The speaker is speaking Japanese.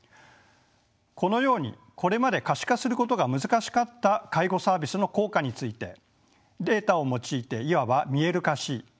このようにこれまで可視化することが難しかった介護サービスの効果についてデータを用いていわば見える化し